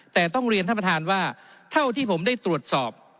แต่ต้องเรียนท่านประธานว่าเท่าที่ผมได้ตรวจสอบ